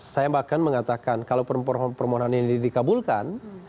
saya bahkan mengatakan kalau permohonan ini dikabulkan